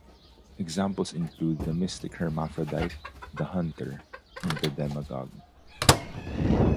Examples include the mystic hermaphrodite, the hunter, and the demagogue.